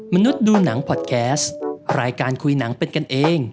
มนุษย์ดูหนังพอดแคสต์รายการคุยหนังเป็นกันเอง